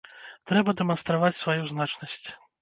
Трэба дэманстраваць сваю значнасць.